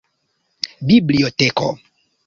biblioteko